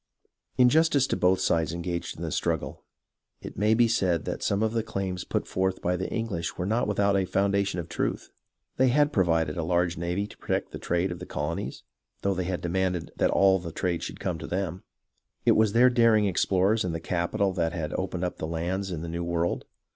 In justice to both sides engaged in the struggle, it must be said that some of the claims put forth by the EngHsh were not without a foundation of truth. They had pro vided a large navy to protect the trade of the colonies, though they had demanded that all the trade should come to them. It was their daring explorers and their capital that had opened up the lands in the New World.